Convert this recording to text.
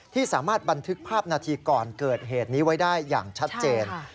ที่สามารถบันทึกภาพนาทีก่อนเกิดเหตุนี้ไว้ได้อย่างชัดเจน